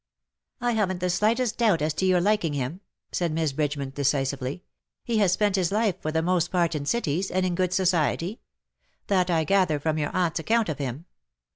^^ I haven^t the slightest doubt as to your liking him/'' said Miss Bridgeman, decisively. '' He has spent his life for the most part in cities — and in good society. That I gather from your aunt's account of him.